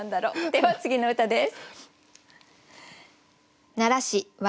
では次の歌です。